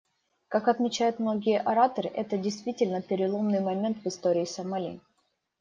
Как отмечают многие ораторы, это действительно переломный момент в истории Сомали.